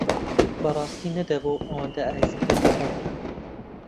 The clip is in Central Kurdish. بەڕاستی نەدەبوو ئەوەندە ئایسکرێم بخۆم.